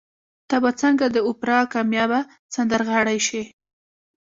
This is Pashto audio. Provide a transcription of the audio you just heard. ته به څنګه د اوپرا کاميابه سندرغاړې شې؟